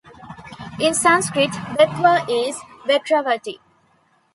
In Sanskrit "Betwa" is "Vetravati".